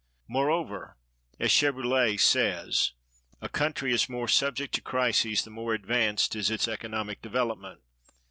Moreover, as Cherbuliez(245) says: "A country is more subject to crises the more advanced is its economical development.